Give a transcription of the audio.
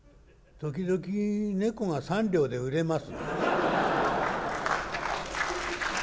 時々猫が３両で売れます」。